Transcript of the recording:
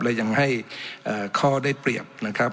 และยังให้ข้อได้เปรียบนะครับ